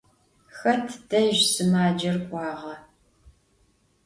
Xet dej sımacer k'uağa?